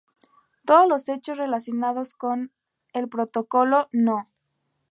Todos los hechos relacionados con "el Protocolo no.